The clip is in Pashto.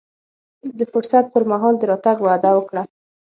د فرصت پر مهال د راتګ وعده وکړه.